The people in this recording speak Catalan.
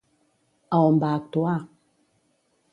A on va actuar?